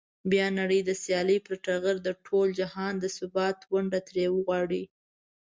بیا نړۍ د سیالۍ پر ټغر د ټول جهان د ثبات ونډه ترې وغواړي.